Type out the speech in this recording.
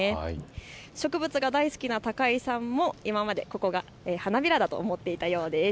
植物が大好きな高井さんも今までここが花びらだと思っていたようです。